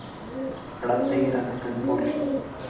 ړنده اراده کنټرول شي.